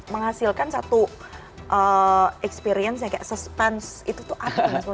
menghasilkan satu experience yang kayak suspense itu tuh apa